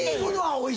「おい！